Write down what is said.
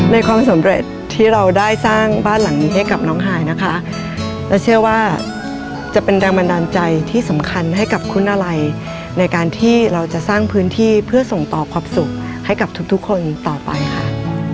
ความสำเร็จที่เราได้สร้างบ้านหลังนี้ให้กับน้องหายนะคะและเชื่อว่าจะเป็นแรงบันดาลใจที่สำคัญให้กับคุณอะไรในการที่เราจะสร้างพื้นที่เพื่อส่งต่อความสุขให้กับทุกทุกคนต่อไปค่ะ